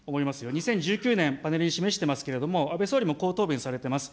２０１９年、パネルに示してますけれども、安倍総理もこう答弁されています。